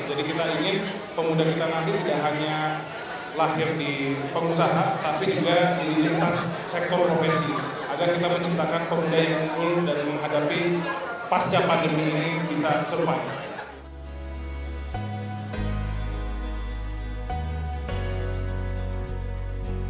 jadi kita ingin pemuda kita nanti tidak hanya lahir di perusahaan tapi juga di lintas sektor profesi agar kita menciptakan pemuda yang unggul dan menghadapi pasca pandemi ini bisa survive